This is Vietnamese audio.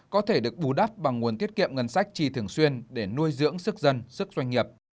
có thể được bù đắp bằng nguồn tiết kiệm ngân sách trì thường xuyên để nuôi dưỡng sức dân sức doanh nghiệp